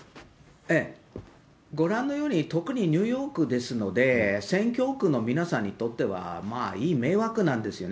ええ、ご覧のように、特にニューヨークですので、選挙区の皆さんにとってはまあいい迷惑なんですよね。